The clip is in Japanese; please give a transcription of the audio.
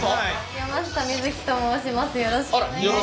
山下美月と申します。